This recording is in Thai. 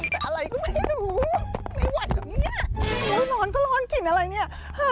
แต่อะไรก็ไม่รู้ไม่ไหวเหรอเนี่ยแล้วนอนก็ร้อนกลิ่นอะไรเนี่ย